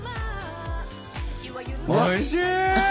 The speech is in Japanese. おいしい！